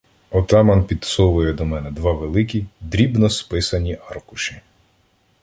Отаман підсовує до мене два великі, дрібно списані аркуші.